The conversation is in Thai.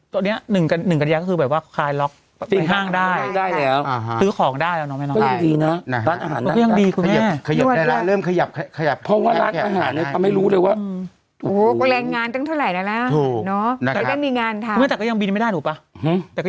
ตัวนี้๑กัญญาคือแบบว่าคลายล็อก